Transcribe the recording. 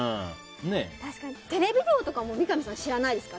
確かにテレビデオとかも知らないですか？